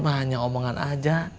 banyak omongan aja